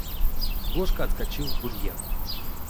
Гошка отскочил в бурьян.